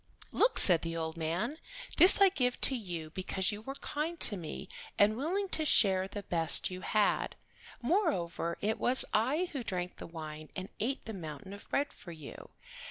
"Look," said the old man. "This I give to you because you were kind to me and willing to share the best you had. Moreover it was I who drank the wine and ate the mountain of bread for you.